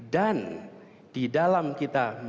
dan di dalam kita menjelaskan